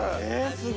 すごい。